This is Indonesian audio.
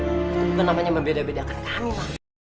itu bukan namanya membeda bedakan kami ma